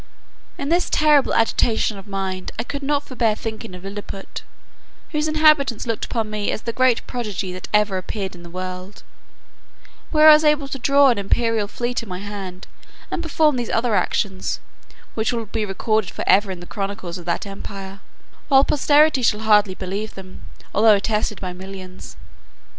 In this terrible agitation of mind, I could not forbear thinking of Lilliput, whose inhabitants looked upon me as the greatest prodigy that ever appeared in the world; where I was able to draw an imperial fleet in my hand, and perform those other actions, which will be recorded for ever in the chronicles of that empire, while posterity shall hardly believe them, although attested by millions.